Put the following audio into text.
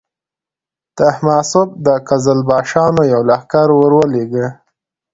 تهماسب د قزلباشانو یو لښکر ورولېږه.